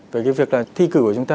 về cái việc là thi cử của chúng ta